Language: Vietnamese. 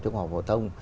trung học phổ tông